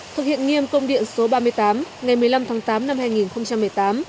thực hiện nghiêm công điện số ba mươi tám ngày một mươi năm tháng tám năm hai nghìn một mươi tám